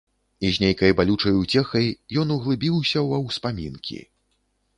І з нейкай балючай уцехай ён углыбіўся ва ўспамінкі.